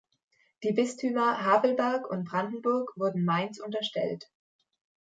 Die Bistümer Havelberg und Brandenburg wurden Mainz unterstellt.